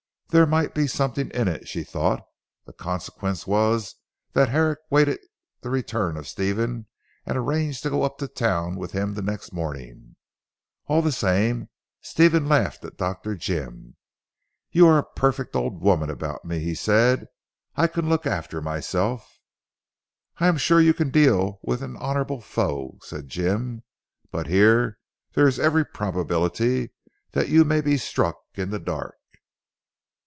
There might be something in it, she thought. The consequence was that Herrick waited the return of Stephen and arranged to go up to town with him the next morning. All the same Stephen laughed at Dr. Jim. "You are a a perfect old woman about me!" he said. "I can look after myself!" "I am sure you can deal with honourable foes," said Jim, "but here there is every probability you may be struck in the dark."